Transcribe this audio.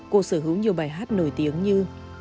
cô sở hữu nhiều bài hát nổi tiếng như